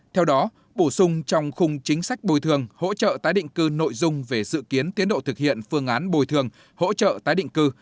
theo đó bổ sung trong khung chính sách bồi thường hỗ trợ tái định cư nội dung về dự kiến tiến độ thực hiện phương án bồi thường hỗ trợ tái định cư